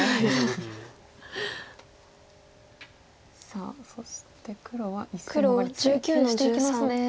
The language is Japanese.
さあそして黒は１線サガって接近していきますね。